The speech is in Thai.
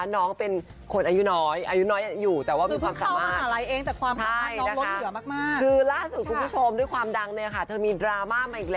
น้องเป็นคนอายุน้อย